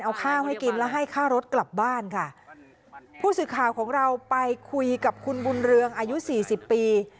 เอาข้าวให้กินแล้วให้ค่ารถกลับบ้านค่ะผู้สื่อข่าวของเราไปคุยกับคุณบุญเรืองอายุสี่สิบปี